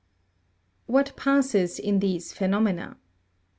13. Wlmt passes in these phenomena.